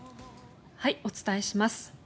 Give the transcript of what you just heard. お伝えします。